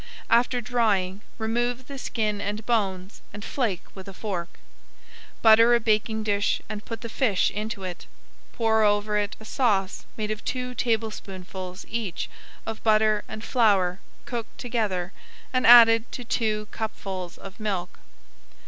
After drying, remove the skin and bones and flake with a fork. Butter a baking dish and put the fish into it. Pour over it a sauce made of two tablespoonfuls each of butter and flour cooked together and added to two cupfuls of milk.